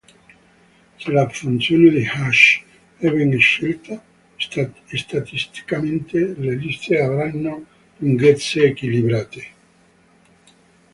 Se la funzione di hash è ben scelta, statisticamente le liste avranno lunghezze equilibrate.